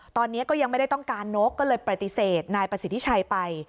ตอนนี้ก็ยังไม่ได้ต้องการนกก็เลยปฏิเสธนายประสิทธิชัยไป